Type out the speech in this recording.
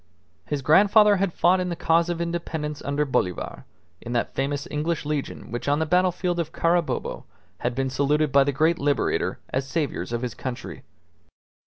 His grandfather had fought in the cause of independence under Bolivar, in that famous English legion which on the battlefield of Carabobo had been saluted by the great Liberator as Saviours of his country.